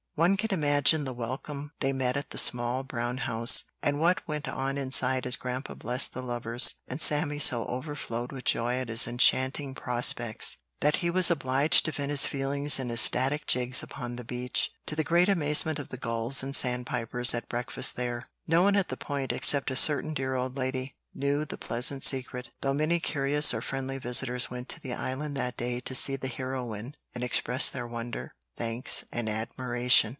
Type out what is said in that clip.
One can imagine the welcome they met at the small brown house, and what went on inside as Grandpa blessed the lovers, and Sammy so overflowed with joy at his enchanting prospects, that he was obliged to vent his feelings in ecstatic jigs upon the beach, to the great amazement of the gulls and sandpipers at breakfast there. No one at the Point, except a certain dear old lady, knew the pleasant secret, though many curious or friendly visitors went to the Island that day to see the heroine and express their wonder, thanks, and admiration.